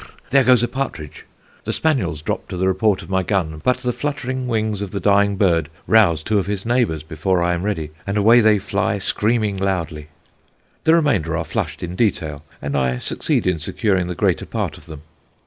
Whirr! there goes a partridge! The spaniels drop to the report of my gun, but the fluttering wings of the dying bird rouse two of his neighbours before I am ready, and away they fly, screaming loudly. The remainder are flushed in detail and I succeed in securing the greater part of them.